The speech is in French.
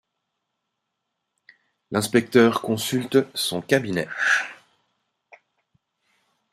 L'inspecteur consulte son cabinet.